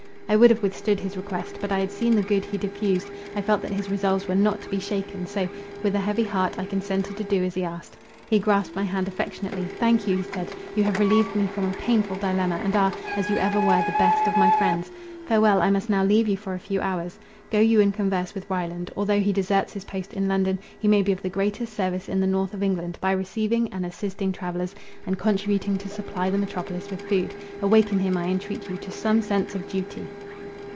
I would have withstood his request; but I had seen the good he diffused; I felt that his resolves were not to be shaken, so, with an heavy heart, I consented to do as he asked. He grasped my hand affectionately:—"Thank you," he said, "you have relieved me from a painful dilemma, and are, as you ever were, the best of my friends. Farewell—I must now leave you for a few hours. Go you and converse with Ryland. Although he deserts his post in London, he may be of the greatest service in the north of England, by receiving and assisting travellers, and contributing to supply the metropolis with food. Awaken him, I entreat you, to some sense of duty."